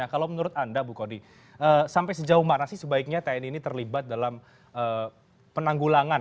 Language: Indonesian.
kalau menurut anda bu kondi sampai sejauh mana sih sebaiknya tni ini terlibat dalam penanggulangan